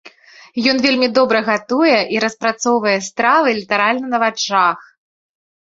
Ён вельмі добра гатуе і распрацоўвае стравы літаральна на вачах.